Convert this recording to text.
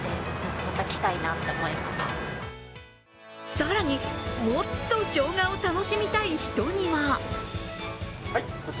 更に、もっとしょうがを楽しみたい人には。